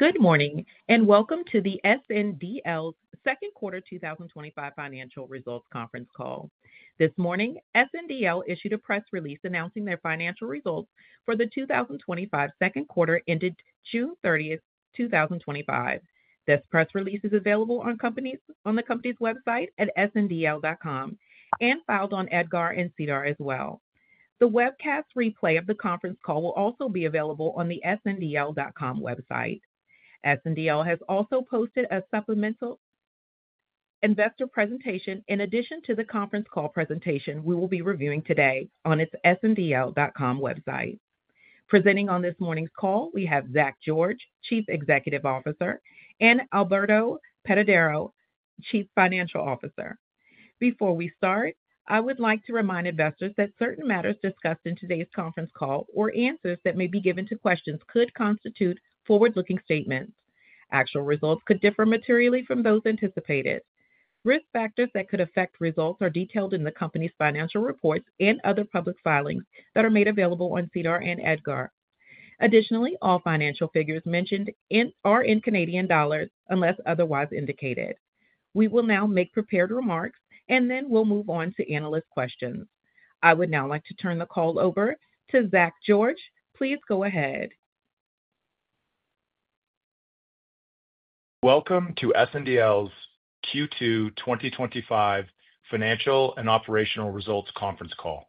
Good morning and welcome to SNDL's second quarter 2025 financial results conference call. This morning, SNDL issued a press release announcing their financial results for the 2025 second quarter ended June 30, 2025. This press release is available on the company's website at sndl.com and filed on EDGAR and CDAR as well. The webcast replay of the conference call will also be available on the sndl.com website. SNDL has also posted a supplemental investor presentation in addition to the conference call presentation we will be reviewing today on its sndl.com website. Presenting on this morning's call, we have Zach George, Chief Executive Officer, and Alberto Paredero-Quiros, Chief Financial Officer. Before we start, I would like to remind investors that certain matters discussed in today's conference call or answers that may be given to questions could constitute forward-looking statements. Actual results could differ materially from those anticipated. Risk factors that could affect results are detailed in the company's financial reports and other public filings that are made available on CDAR and EDGAR. Additionally, all financial figures mentioned are in Canadian dollars unless otherwise indicated. We will now make prepared remarks, and then we'll move on to analyst questions. I would now like to turn the call over to Zach George. Please go ahead. Welcome to SNDL's Q2 2025 financial and operational results conference call.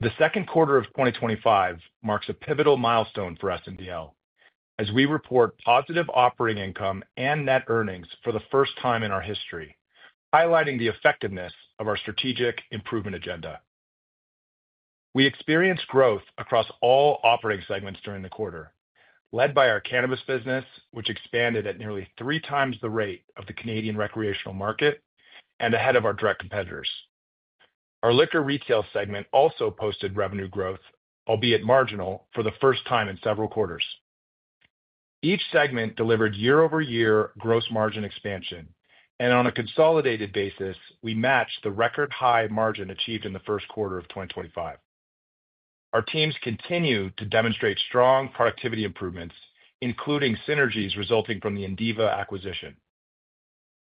The second quarter of 2025 marks a pivotal milestone for SNDL, as we report positive operating income and net earnings for the first time in our history, highlighting the effectiveness of our strategic improvement agenda. We experienced growth across all operating segments during the quarter, led by our cannabis business, which expanded at nearly three times the rate of the Canadian recreational market and ahead of our direct competitors. Our liquor retail segment also posted revenue growth, albeit marginal, for the first time in several quarters. Each segment delivered year-over-year gross margin expansion, and on a consolidated basis, we matched the record high margin achieved in the first quarter of 2025. Our teams continue to demonstrate strong productivity improvements, including synergies resulting from the Indiva acquisition.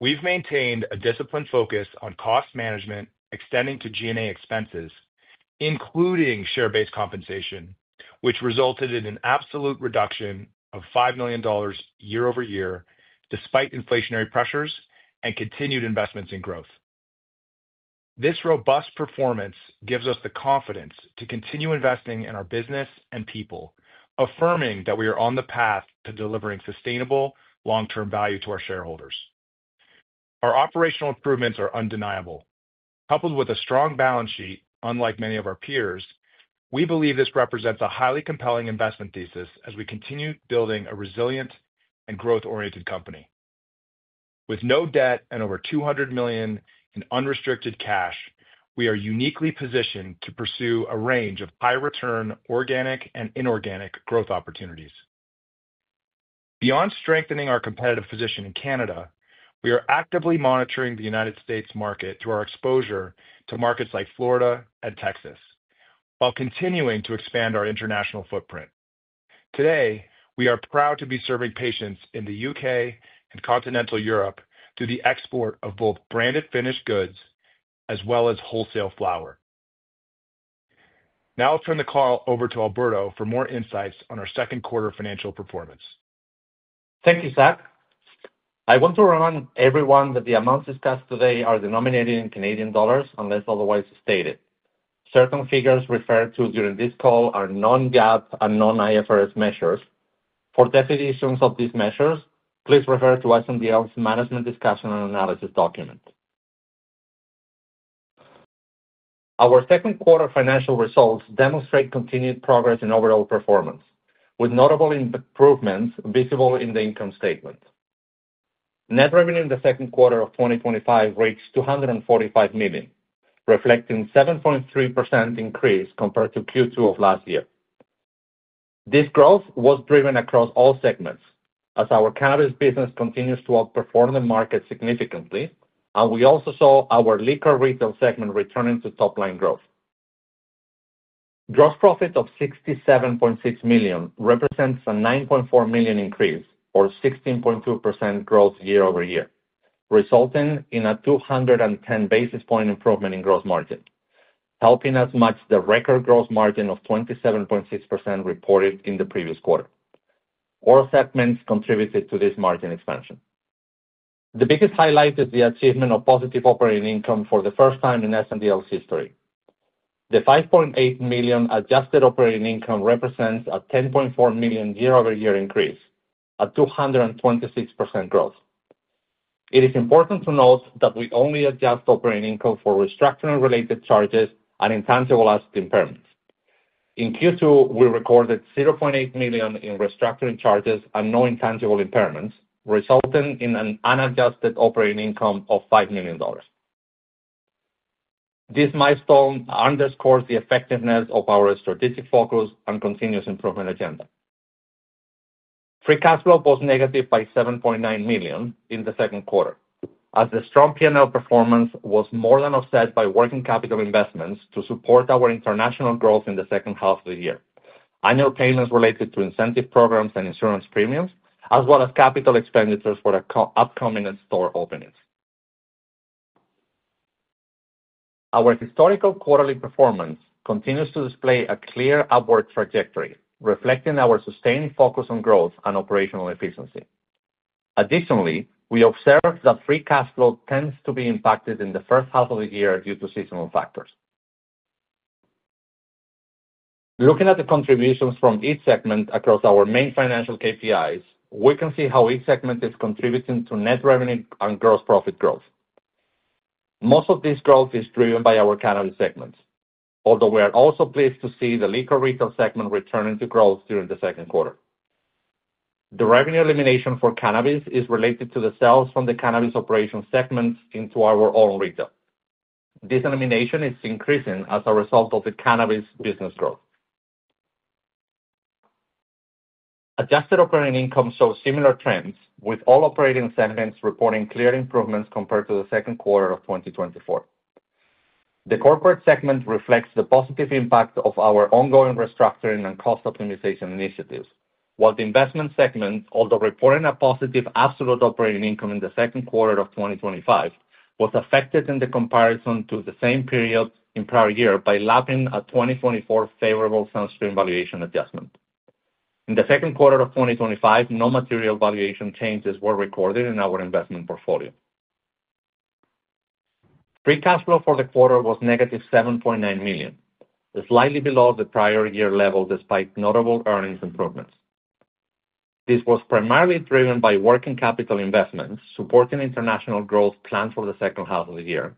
We've maintained a disciplined focus on cost management, extending to G&A expenses, including share-based compensation, which resulted in an absolute reduction of $5 million year-over-year despite inflationary pressures and continued investments in growth. This robust performance gives us the confidence to continue investing in our business and people, affirming that we are on the path to delivering sustainable, long-term value to our shareholders. Our operational improvements are undeniable. Coupled with a strong balance sheet, unlike many of our peers, we believe this represents a highly compelling investment thesis as we continue building a resilient and growth-oriented company. With no debt and over $200 million in unrestricted cash, we are uniquely positioned to pursue a range of high-return organic and inorganic growth opportunities. Beyond strengthening our competitive position in Canada, we are actively monitoring the United States. market through our exposure to markets like Florida and Texas, while continuing to expand our international footprint. Today, we are proud to be serving patients in the U.K. and continental Europe through the export of both branded finished goods as well as wholesale flower. Now I'll turn the call over to Alberto for more insights on our second quarter financial performance. Thank you, Zach. I want to remind everyone that the amounts discussed today are denominated in Canadian dollars unless otherwise stated. Certain figures referred to during this call are non-GAAP and non-IFRS measures. For definitions of these measures, please refer to SNDL's management discussion and analysis document. Our second quarter financial results demonstrate continued progress in overall performance, with notable improvements visible in the income statement. Net revenue in the second quarter of 2025 reached $245 million, reflecting a 7.3% increase compared to Q2 of last year. This growth was driven across all segments, as our cannabis business continues to outperform the market significantly, and we also saw our liquor retail segment returning to top-line growth. Gross profit of $67.6 million represents a $9.4 million increase, or 16.2% growth year-over-year, resulting in a 210 basis point improvement in gross margin, helping us match the record gross margin of 27.6% reported in the previous quarter. All segments contributed to this margin expansion. The biggest highlight is the achievement of positive operating income for the first time in SNDL's history. The $5.8 million adjusted operating income represents a $10.4 million year-over-year increase, a 226% growth. It is important to note that we only adjust operating income for restructuring-related charges and intangible asset impairments. In Q2, we recorded $0.8 million in restructuring charges and no intangible impairments, resulting in an unadjusted operating income of $5 million. This milestone underscores the effectiveness of our strategic focus and continuous improvement agenda. Free cash flow was negative by $7.9 million in the second quarter, as the strong P&L performance was more than offset by working capital investments to support our international growth in the second half of the year, annual payments related to incentive programs and insurance premiums, as well as capital expenditures for the upcoming store openings. Our historical quarterly performance continues to display a clear upward trajectory, reflecting our sustained focus on growth and operational efficiency. Additionally, we observe that free cash flow tends to be impacted in the first half of the year due to seasonal factors. Looking at the contributions from each segment across our main financial KPIs, we can see how each segment is contributing to net revenue and gross profit growth. Most of this growth is driven by our cannabis segments, although we are also pleased to see the liquor retail segment returning to growth during the second quarter. The revenue elimination for cannabis is related to the sales from the cannabis operations segment into our own retail. This elimination is increasing as a result of the cannabis business growth. Adjusted operating income shows similar trends, with all operating segments reporting clear improvements compared to the second quarter of 2024. The corporate segment reflects the positive impact of our ongoing restructuring and cost optimization initiatives, while the investment segment, although reporting a positive absolute operating income in the second quarter of 2025, was affected in the comparison to the same period in prior year by lacking a 2024 favorable SunStream valuation adjustment. In the second quarter of 2025, no material valuation changes were recorded in our investment portfolio. Free cash flow for the quarter was -$7.9 million, slightly below the prior year level despite notable earnings improvements. This was primarily driven by working capital investments supporting international growth planned for the second half of the year,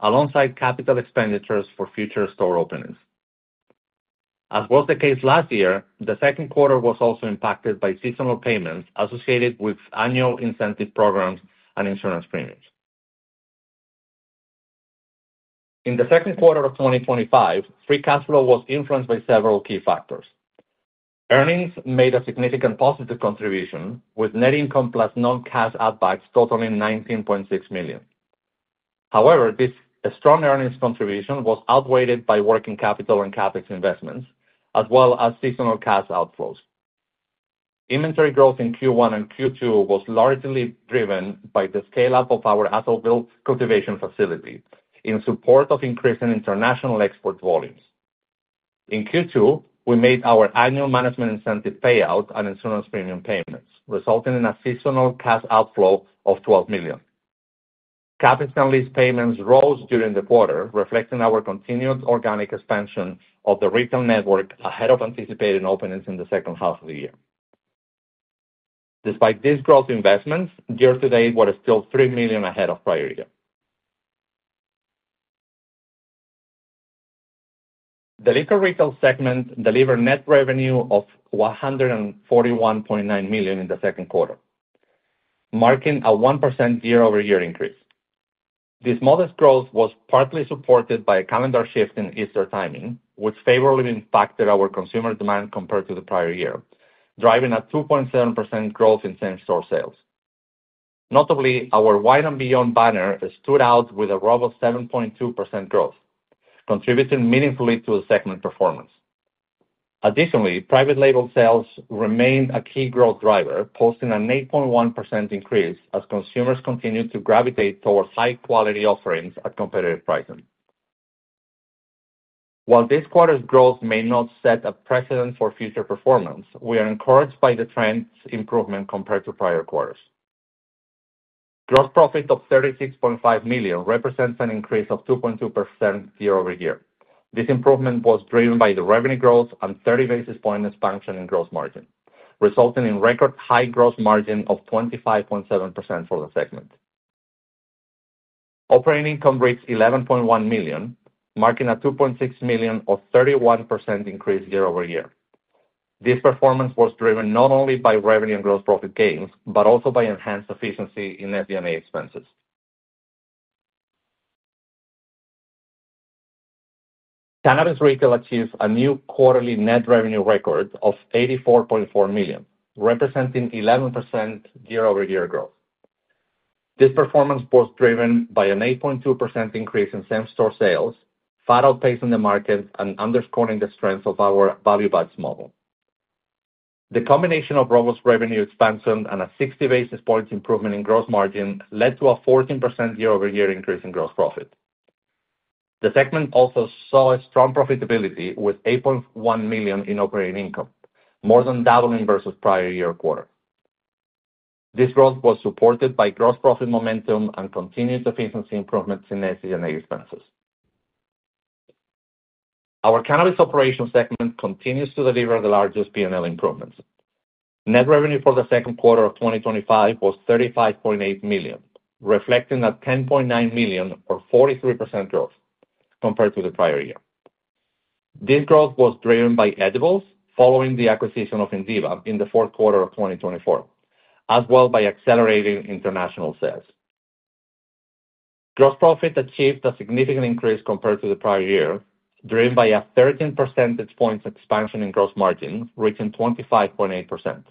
alongside capital expenditures for future store openings. As was the case last year, the second quarter was also impacted by seasonal payments associated with annual incentive programs and insurance premiums. In the second quarter of 2025, free cash flow was influenced by several key factors. Earnings made a significant positive contribution, with net income plus non-cash outbacks totaling $19.6 million. However, this strong earnings contribution was outweighed by working capital and CapEx investments, as well as seasonal cash outflows. Inventory growth in Q1 and Q2 was largely driven by the scale-up of our atoll-built cultivation facility in support of increasing international export volumes. In Q2, we made our annual management incentive payouts and insurance premium payments, resulting in a seasonal cash outflow of $12 million. CapEx and lease payments rose during the quarter, reflecting our continued organic expansion of the retail network ahead of anticipated openings in the second half of the year. Despite these growth investments, year-to-date we're still $3 million ahead of parity. The liquor retail segment delivered net revenue of $141.9 million in the second quarter, marking a 1% year-over-year increase. This modest growth was partly supported by a calendar shift in Easter timing, which favorably impacted our consumer demand compared to the prior year, driving a 2.7% growth in same-store sales. Notably, our Wine and Beyond banner stood out with a robust 7.2% growth, contributing meaningfully to the segment performance. Additionally, private label sales remained a key growth driver, posting an 8.1% increase as consumers continue to gravitate towards high-quality offerings at competitive pricing. While this quarter's growth may not set a precedent for future performance, we are encouraged by the trend's improvement compared to prior quarters. Gross profit of $36.5 million represents an increase of 2.2% year-over-year. This improvement was driven by the revenue growth and 30 basis point expansion in gross margin, resulting in a record high gross margin of 25.7% for the segment. Operating income reached $11.1 million, marking a $2.6 million or 31% increase year-over-year. This performance was driven not only by revenue and gross profit gains, but also by enhanced efficiency in FD&A expenses. Cannabis retail achieved a new quarterly net revenue record of $84.4 million, representing 11% year-over-year growth. This performance was driven by an 8.2% increase in same-store sales, far outpacing the market and underscoring the strength of our value-added model. The combination of robust revenue expansion and a 60 basis point improvement in gross margin led to a 14% year-over-year increase in gross profit. The segment also saw a strong profitability with $8.1 million in operating income, more than doubling versus prior year quarter. This growth was supported by gross profit momentum and continued efficiency improvements in FD&A expenses. Our cannabis operations segment continues to deliver the largest P&L improvements. Net revenue for the second quarter of 2025 was $35.8 million, reflecting a $10.9 million or 43% growth compared to the prior year. This growth was driven by edibles following the acquisition of Indiva in the fourth quarter of 2024, as well as by accelerating international sales. Gross profit achieved a significant increase compared to the prior year, driven by a 13 percentage point expansion in gross margin, reaching 25.8%.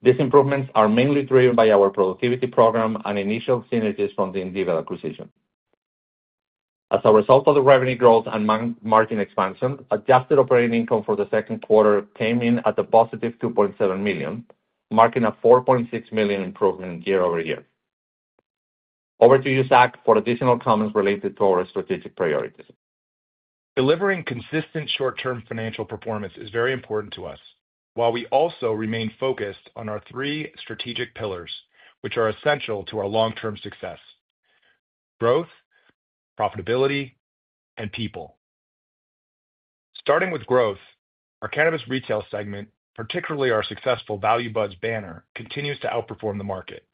These improvements are mainly driven by our productivity program and initial synergies from the Indiva acquisition. As a result of the revenue growth and margin expansion, adjusted operating income for the second quarter came in at a +$2.7 million, marking a $4.6 million improvement year-over-year. Over to you, Zach, for additional comments related to our strategic priorities. Delivering consistent short-term financial performance is very important to us, while we also remain focused on our three strategic pillars, which are essential to our long-term success: growth, profitability, and people. Starting with growth, our cannabis retail segment, particularly our successful Value Buds banner, continues to outperform the market.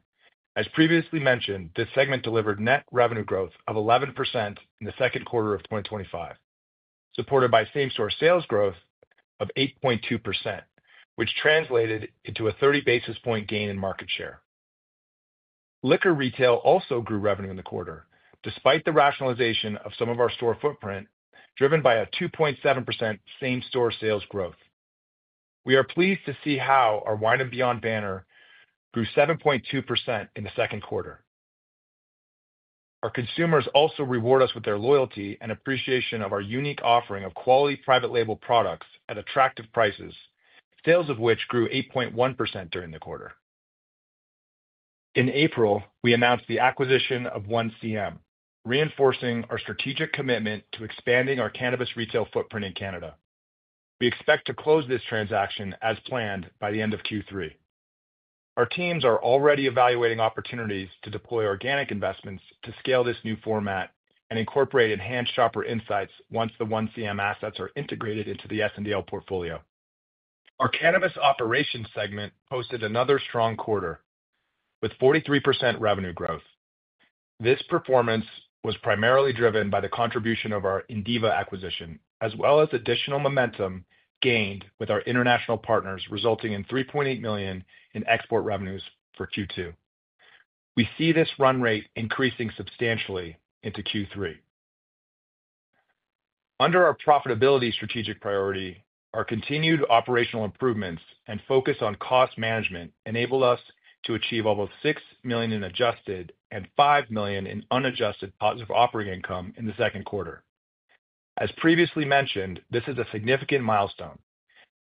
As previously mentioned, this segment delivered net revenue growth of 11% in the second quarter of 2025, supported by same-store sales growth of 8.2%, which translated into a 30 basis point gain in market share. Liquor retail also grew revenue in the quarter, despite the rationalization of some of our store footprint, driven by a 2.7% same-store sales growth. We are pleased to see how our Wine and Beyond banner grew 7.2% in the second quarter. Our consumers also reward us with their loyalty and appreciation of our unique offering of quality private label products at attractive prices, sales of which grew 8.1% during the quarter. In April, we announced the acquisition of 1CM, reinforcing our strategic commitment to expanding our cannabis retail footprint in Canada. We expect to close this transaction as planned by the end of Q3. Our teams are already evaluating opportunities to deploy organic investments to scale this new format and incorporate enhanced shopper insights once the 1CM assets are integrated into the SNDL portfolio. Our cannabis operations segment posted another strong quarter with 43% revenue growth. This performance was primarily driven by the contribution of our Indiva acquisition, as well as additional momentum gained with our international partners, resulting in $3.8 million in export revenues for Q2. We see this run rate increasing substantially into Q3. Under our profitability strategic priority, our continued operational improvements and focus on cost management enabled us to achieve almost $6 million in adjusted and $5 million in unadjusted positive operating income in the second quarter. As previously mentioned, this is a significant milestone,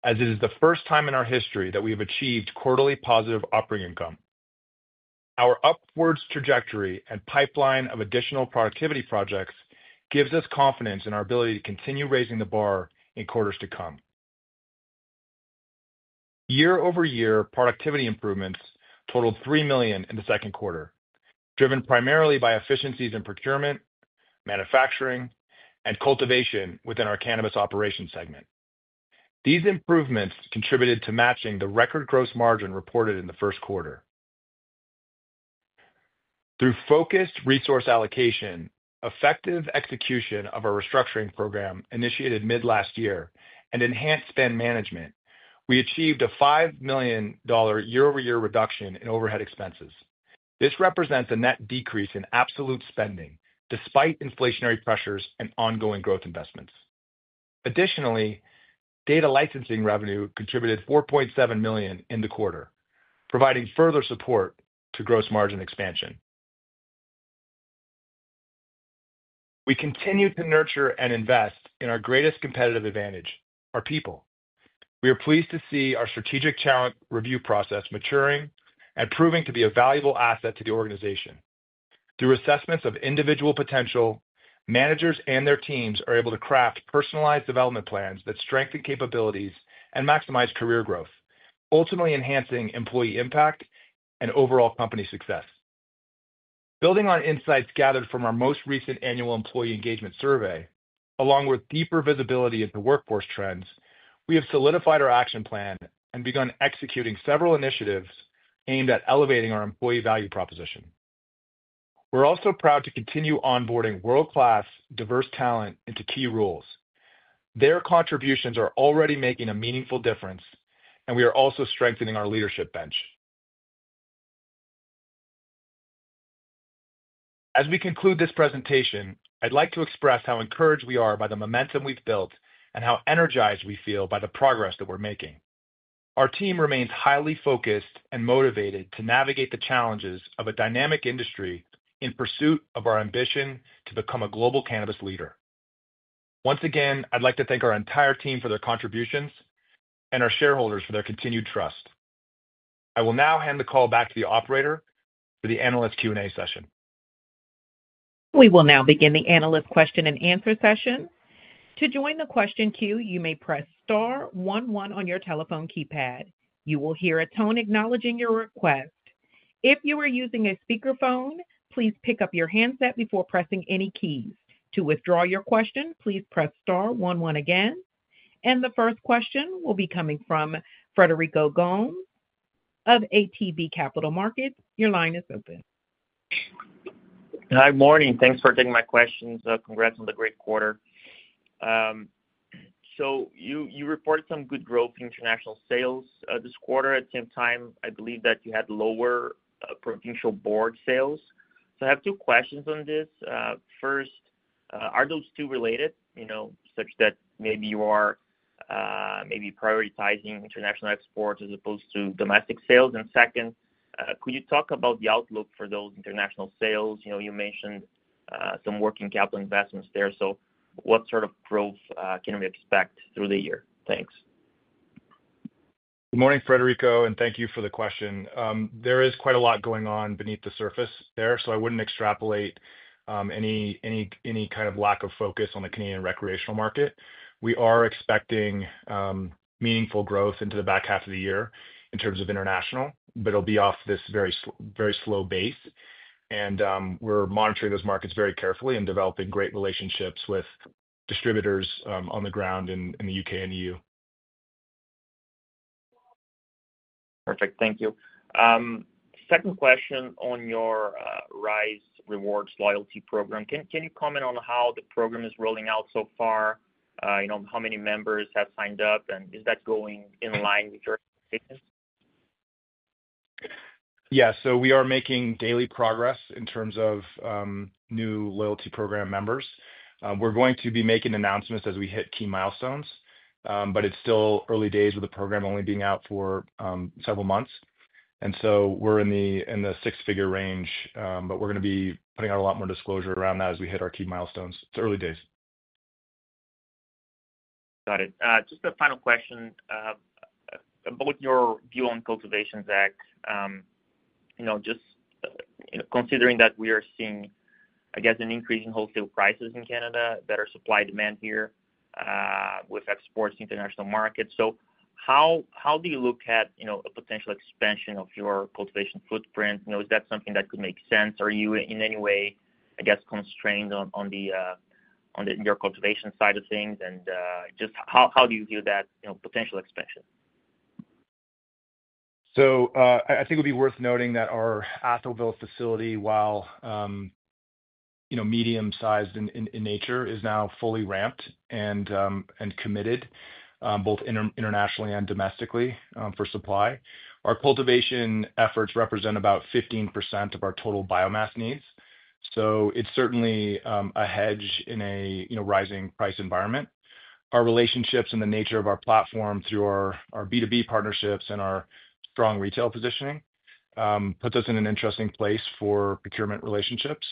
as it is the first time in our history that we have achieved quarterly positive operating income. Our upward trajectory and pipeline of additional productivity projects give us confidence in our ability to continue raising the bar in quarters to come. Year-over-year productivity improvements totaled $3 million in the second quarter, driven primarily by efficiencies in procurement, manufacturing, and cultivation within our cannabis operations segment. These improvements contributed to matching the record gross margin reported in the first quarter. Through focused resource allocation, effective execution of our restructuring program initiated mid-last year, and enhanced spend management, we achieved a $5 million year-over-year reduction in overhead expenses. This represents a net decrease in absolute spending despite inflationary pressures and ongoing growth investments. Additionally, data licensing revenue contributed $4.7 million in the quarter, providing further support to gross margin expansion. We continue to nurture and invest in our greatest competitive advantage, our people. We are pleased to see our strategic challenge review process maturing and proving to be a valuable asset to the organization. Through assessments of individual potential, managers and their teams are able to craft personalized development plans that strengthen capabilities and maximize career growth, ultimately enhancing employee impact and overall company success. Building on insights gathered from our most recent annual employee engagement survey, along with deeper visibility into workforce trends, we have solidified our action plan and begun executing several initiatives aimed at elevating our employee value proposition. We're also proud to continue onboarding world-class, diverse talent into key roles. Their contributions are already making a meaningful difference, and we are also strengthening our leadership bench. As we conclude this presentation, I'd like to express how encouraged we are by the momentum we've built and how energized we feel by the progress that we're making. Our team remains highly focused and motivated to navigate the challenges of a dynamic industry in pursuit of our ambition to become a global cannabis leader. Once again, I'd like to thank our entire team for their contributions and our shareholders for their continued trust. I will now hand the call back to the operator for the analyst Q&A session. We will now begin the analyst question and answer session. To join the question queue, you may press *11 on your telephone keypad. You will hear a tone acknowledging your request. If you are using a speakerphone, please pick up your handset before pressing any key. To withdraw your question, please press *11 again. The first question will be coming from Frederico Gomes of ATB Capital Markets. Your line is open. Good morning. Thanks for taking my questions. Congrats on the great quarter. You reported some good growth in international sales this quarter. At the same time, I believe that you had lower provincial board sales. I have two questions on this. First, are those two related, such that maybe you are prioritizing international exports as opposed to domestic sales? Second, could you talk about the outlook for those international sales? You mentioned some working capital investments there. What sort of growth can we expect through the year? Thanks. Good morning, Frederico, and thank you for the question. There is quite a lot going on beneath the surface there, so I wouldn't extrapolate any kind of lack of focus on the Canadian recreational market. We are expecting meaningful growth into the back half of the year in terms of international, but it'll be off this very slow base. We are monitoring those markets very carefully and developing great relationships with distributors on the ground in the U.K. and continental Europe. Perfect. Thank you. Second question on your Rise Rewards loyalty program. Can you comment on how the program is rolling out so far? How many members have signed up, and is that going in line with your expectations? Yeah, we are making daily progress in terms of new loyalty program members. We're going to be making announcements as we hit key milestones, but it's still early days with the program only being out for several months. We're in the six-figure range, but we're going to be putting out a lot more disclosure around that as we hit our key milestones. It's early days. Got it. Just a final question. With your view on cultivation, Zach, just considering that we are seeing, I guess, an increase in wholesale prices in Canada, better supply-demand here with exports to international markets, how do you look at a potential expansion of your cultivation footprint? Is that something that could make sense? Are you in any way, I guess, constrained on your cultivation side of things? How do you view that potential expansion? I think it would be worth noting that our atoll-built facility, while medium-sized in nature, is now fully ramped and committed both internationally and domestically for supply. Our cultivation efforts represent about 15% of our total biomass needs. It's certainly a hedge in a rising price environment. Our relationships and the nature of our platform through our B2B partnerships and our strong retail positioning put us in an interesting place for procurement relationships.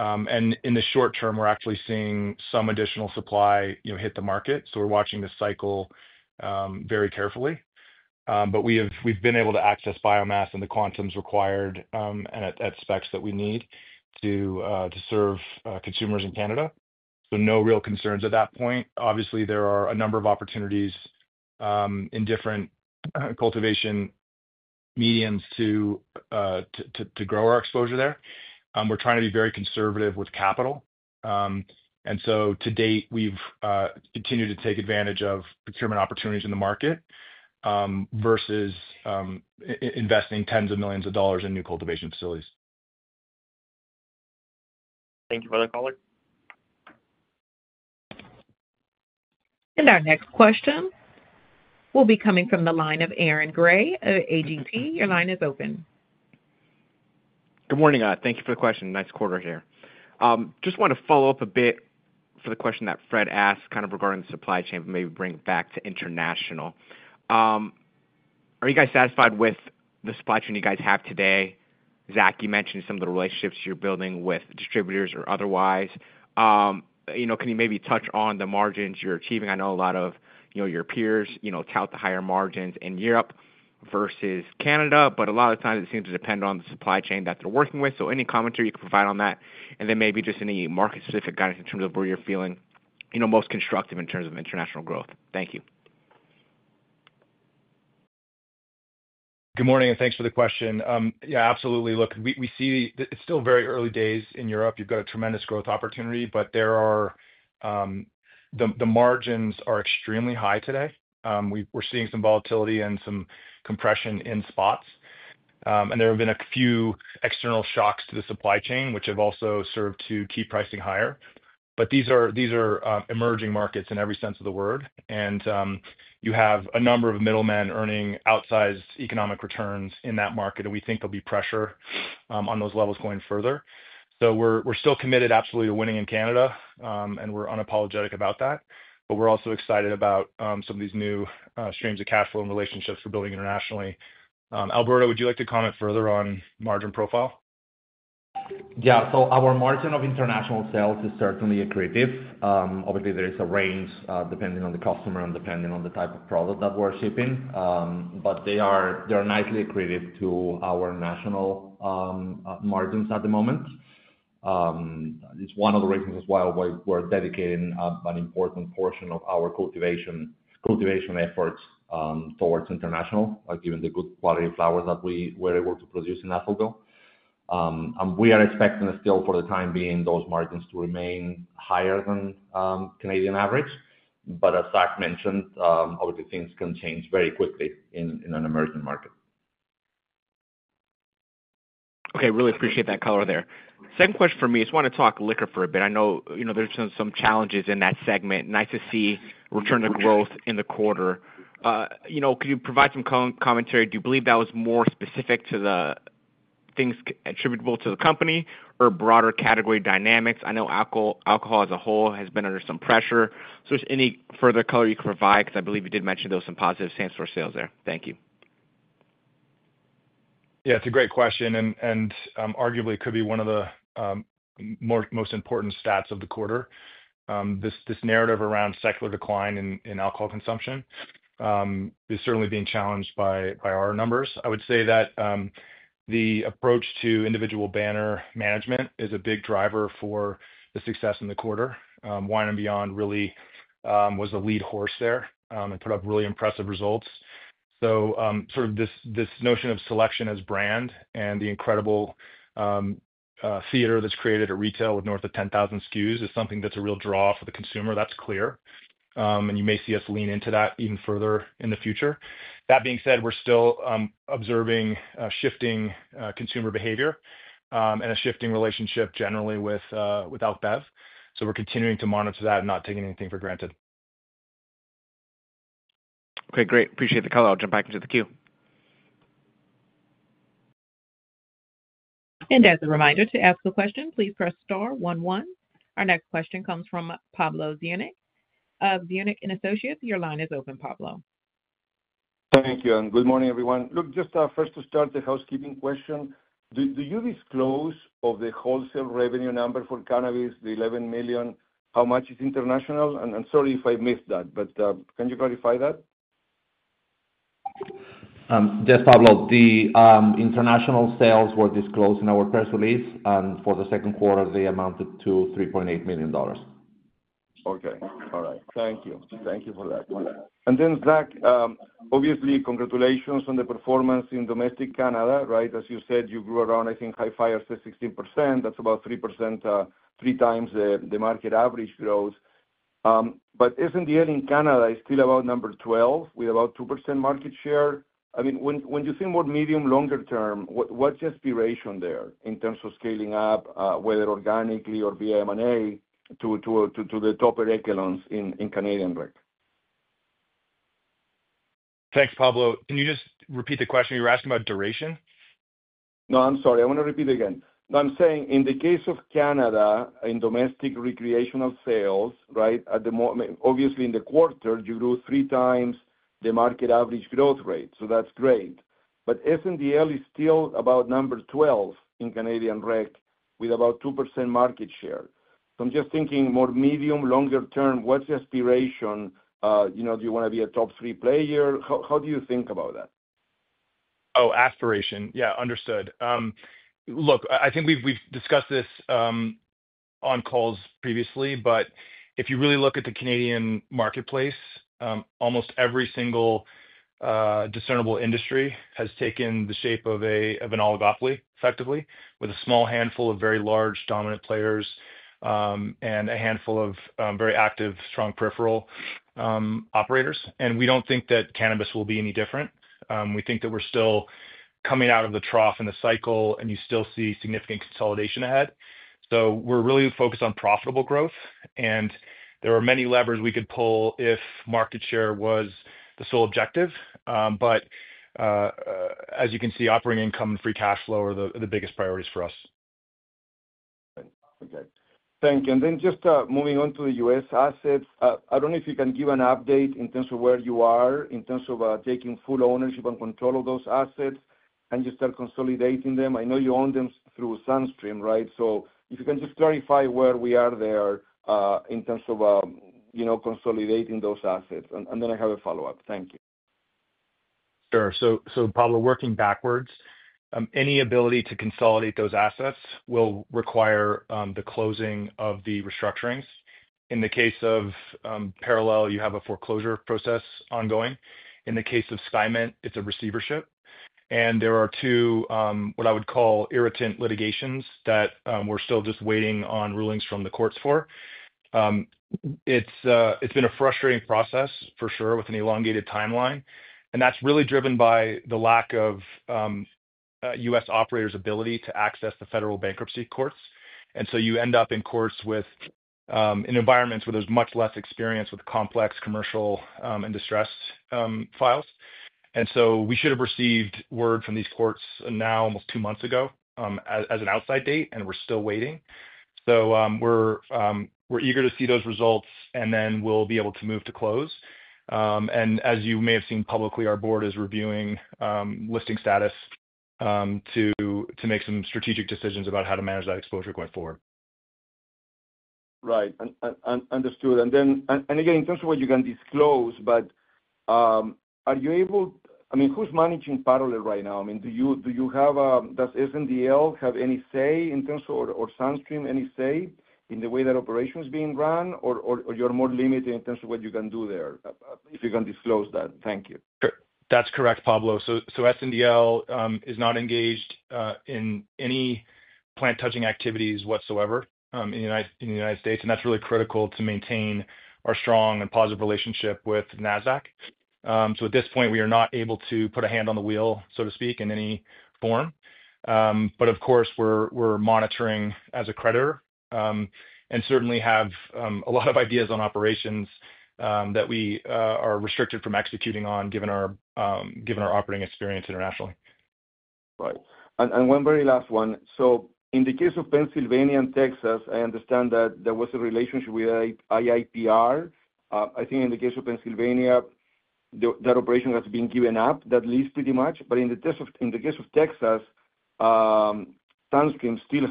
In the short term, we're actually seeing some additional supply hit the market. We're watching the cycle very carefully. We've been able to access biomass in the quantums required and at specs that we need to serve consumers in Canada. No real concerns at that point. Obviously, there are a number of opportunities in different cultivation mediums to grow our exposure there. We're trying to be very conservative with capital. To date, we've continued to take advantage of procurement opportunities in the market versus investing tens of millions of dollars in new cultivation facilities. Thank you for the call. Our next question will be coming from the line of Aaron Grey of Alliance Global Partners. Your line is open. Good morning. Thank you for the question. Nice quarter here. I just want to follow up a bit for the question that Fred asked regarding the supply chain, but maybe bring it back to international. Are you guys satisfied with the supply chain you guys have today? Zach, you mentioned some of the relationships you're building with distributors or otherwise. Can you maybe touch on the margins you're achieving? I know a lot of your peers tout the higher margins in Europe versus Canada, but a lot of times it seems to depend on the supply chain that they're working with. Any commentary you could provide on that? Maybe just any market-specific guidance in terms of where you're feeling most constructive in terms of international growth. Thank you. Good morning, and thanks for the question. Yeah, absolutely. Look, we see it's still very early days in Europe. You've got a tremendous growth opportunity, but the margins are extremely high today. We're seeing some volatility and some compression in spots. There have been a few external shocks to the supply chain, which have also served to keep pricing higher. These are emerging markets in every sense of the word. You have a number of middlemen earning outsized economic returns in that market, and we think there'll be pressure on those levels going further. We're still committed absolutely to winning in Canada, and we're unapologetic about that. We're also excited about some of these new streams of cash flow and relationships we're building internationally. Alberto, would you like to comment further on margin profile? Yeah, so our margin of international sales is certainly accretive. Obviously, there is a range depending on the customer and depending on the type of product that we're shipping. They are nicely accretive to our national margins at the moment. It's one of the reasons why we're dedicating an important portion of our cultivation efforts towards international, given the good quality of flowers that we were able to produce in Atoll-built. We are expecting still, for the time being, those margins to remain higher than Canadian average. As Zach George mentioned, obviously, things can change very quickly in an emerging market. Okay, really appreciate that color there. Second question for me, I just want to talk liquor for a bit. I know there's some challenges in that segment. Nice to see return to growth in the quarter. Could you provide some commentary? Do you believe that was more specific to the things attributable to the company or broader category dynamics? I know alcohol as a whole has been under some pressure. Is there any further color you could provide? I believe you did mention there were some positive same-store sales there. Thank you. Yeah, it's a great question. Arguably, it could be one of the most important stats of the quarter. This narrative around secular decline in alcohol consumption is certainly being challenged by our numbers. I would say that the approach to individual banner management is a big driver for the success in the quarter. Wine and Beyond really was a lead horse there and put up really impressive results. The notion of selection as brand and the incredible theater that's created at retail with north of 10,000 SKUs is something that's a real draw for the consumer. That's clear. You may see us lean into that even further in the future. That being said, we're still observing shifting consumer behavior and a shifting relationship generally with alcohol beverage. We're continuing to monitor that and not taking anything for granted. Okay, great. Appreciate the color. I'll jump back into the queue. As a reminder to ask a question, please press *one one. Our next question comes from Pablo Zuanic of Zuanic & Associates. Your line is open, Pablo. Thank you. Good morning, everyone. Just first to start the housekeeping question, do you disclose the wholesale revenue number for cannabis, the $11 million, how much is international? I'm sorry if I missed that, but can you clarify that? Yes, Pablo, the international sales were disclosed in our press release, and for the second quarter, they amounted to $3.8 million. Okay. All right. Thank you. Thank you for that. Zach, obviously, congratulations on the performance in domestic Canada, right? As you said, you grew around, I think, high-fire, say, 16%. That's about 3%, three times the market average growth. SNDL in Canada is still about number 12 with about 2% market share. When you think about medium-longer term, what's your aspiration there in terms of scaling up, whether organically or via M&A, to the top echelons in Canadian REC? Thanks, Pablo. Can you just repeat the question? You were asking about duration? I'm saying in the case of Canada in domestic recreational sales, right? Obviously, in the quarter, you grew three times the market average growth rate. That's great. SNDL is still about number 12 in Canadian rec with about 2% market share. I'm just thinking more medium-longer term, what's the aspiration? Do you want to be a top three player? How do you think about that? Aspiration. Yeah, understood. I think we've discussed this on calls previously, but if you really look at the Canadian marketplace, almost every single discernible industry has taken the shape of an oligopoly, effectively, with a small handful of very large dominant players and a handful of very active, strong peripheral operators. We don't think that cannabis will be any different. We think that we're still coming out of the trough and the cycle, and you still see significant consolidation ahead. We're really focused on profitable growth, and there are many levers we could pull if market share was the sole objective. As you can see, operating income and free cash flow are the biggest priorities for us. Okay. Thank you. Moving on to the U.S. assets, I don't know if you can give an update in terms of where you are in terms of taking full ownership and control of those assets and you start consolidating them. I know you own them through SunStream, right? If you can just clarify where we are there in terms of consolidating those assets. I have a follow-up. Thank you. Sure. Pablo, working backwards, any ability to consolidate those assets will require the closing of the restructurings. In the case of Parallel, you have a foreclosure process ongoing. In the case of SkyMint, it's a receivership. There are two, what I would call, irritant litigations that we're still just waiting on rulings from the courts for. It's been a frustrating process, for sure, with an elongated timeline. That's really driven by the lack of U.S. operators' ability to access the federal bankruptcy courts. You end up in courts with environments where there's much less experience with complex commercial and distress files. We should have received word from these courts now almost two months ago as an outside date, and we're still waiting. We're eager to see those results, and then we'll be able to move to close. As you may have seen publicly, our board is reviewing listing status to make some strategic decisions about how to manage that exposure going forward. Right. Understood. In terms of what you can disclose, are you able, I mean, who's managing Parallel right now? Do you have, does SNDL have any say in terms of, or SunStream, any say in the way that operation is being run, or are you more limited in terms of what you can do there if you can disclose that? Thank you. That's correct, Pablo. SNDL is not engaged in any plant-touching activities whatsoever in the United States., and that's really critical to maintain our strong and positive relationship with NASDAQ. At this point, we are not able to put a hand on the wheel, so to speak, in any form. Of course, we're monitoring as a creditor and certainly have a lot of ideas on operations that we are restricted from executing on, given our operating experience internationally. Right. One very last one. In the case of Pennsylvania and Texas, I understand that there was a relationship with IIPR. I think in the case of Pennsylvania, that operation has been given up, that lease pretty much. In the case of Texas, SunStream still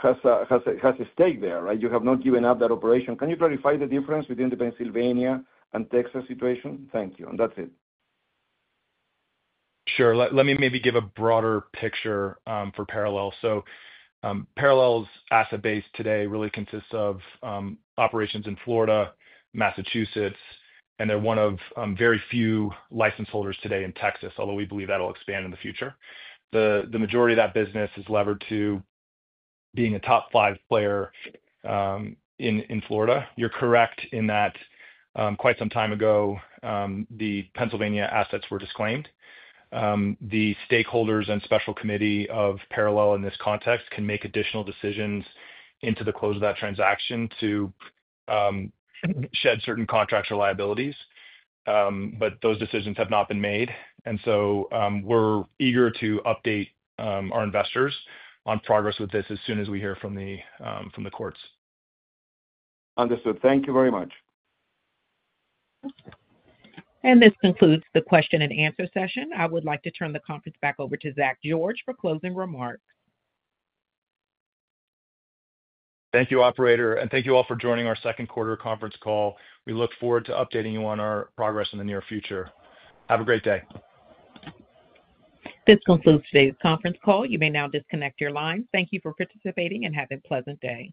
has a stake there, right? You have not given up that operation. Can you clarify the difference between the Pennsylvania and Texas situation? Thank you. That's it. Sure. Let me maybe give a broader picture for Parallel. Parallel's asset base today really consists of operations in Florida and Massachusetts, and they're one of very few license holders today in Texas, although we believe that'll expand in the future. The majority of that business is levered to being a top five player in Florida. You're correct in that quite some time ago, the Pennsylvania assets were disclaimed. The stakeholders and Special Committee of Parallel in this context can make additional decisions into the close of that transaction to shed certain contracts or liabilities, but those decisions have not been made. We are eager to update our investors on progress with this as soon as we hear from the courts. Understood. Thank you very much. This concludes the question and answer session. I would like to turn the conference back over to Zach George for closing remarks. Thank you, operator, and thank you all for joining our second quarter conference call. We look forward to updating you on our progress in the near future. Have a great day. This concludes today's conference call. You may now disconnect your line. Thank you for participating and have a pleasant day.